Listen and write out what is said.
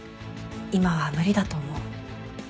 今は無理だと思う。